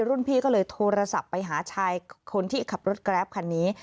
พี่ก็เลยโทรศัพท์ไปหาชายคนที่ขับรถแกรปคันนี้